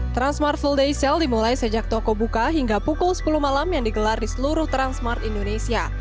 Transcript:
transmart full day sale dimulai sejak toko buka hingga pukul sepuluh malam yang digelar di seluruh transmart indonesia